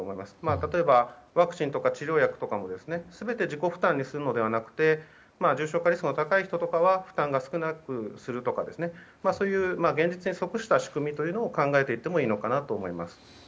例えば、ワクチンとか治療薬も全て自己負担にするのではなくて重症化リスクの高い人とかは負担が少なくするとかそういう現実に即した仕組みを考えてもいいのかなと思います。